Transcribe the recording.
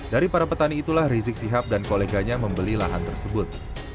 dari para petani itulah rizik sihab dan koleganya membeli lahan tersebut